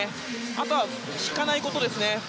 あとは引かないことですね。